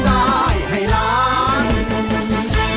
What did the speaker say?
ไม่มีวันหยุดแม้แต่เสาอาทิตย์